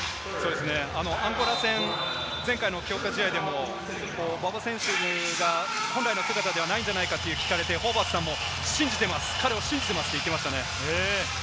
アンゴラ戦、前回の強化試合でも、馬場選手が本来の姿ではないんじゃないかと聞かれて、ホーバスさんも信じてます、彼を信じてますって言ってましたね。